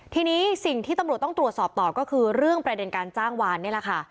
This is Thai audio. ทีนี้สิ่งที่ตำรวจต้องตรวจสอบต่อก็คือเรื่องประเด็นการจ้างวานนี่แหละค่ะ